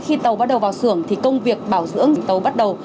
khi tàu bắt đầu vào xưởng thì công việc bảo dưỡng tàu bắt đầu